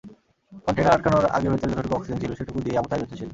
Container আটকানোর আগে ভেতরে যতটুকু অক্সিজেন ছিল সেটুকু দিয়েই আবু তাহের বেঁচেছিলেন।